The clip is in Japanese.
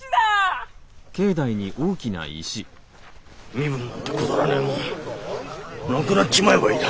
身分なんてくだらねえもんなくなっちまえばいいだ。